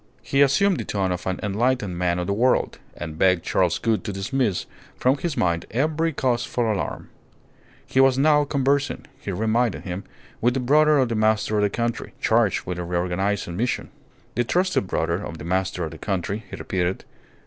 He assumed the tone of an enlightened man of the world, and begged Charles Gould to dismiss from his mind every cause for alarm. He was now conversing, he reminded him, with the brother of the master of the country, charged with a reorganizing mission. The trusted brother of the master of the country, he repeated.